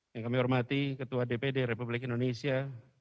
yang kami hormati ketua dpd republik indonesia